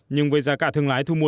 nhưng với giá cả thương lái thu mua